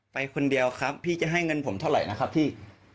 ไปคนเดียวครับพี่จะให้เงินผมเท่าไหร่นะครับพี่